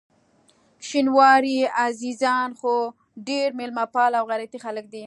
شینواري عزیزان خو ډېر میلمه پال او غیرتي خلک دي.